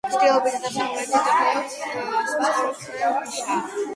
ჩრდილოეთითა და სამხრეთით თითო სწორკუთხა ნიშაა.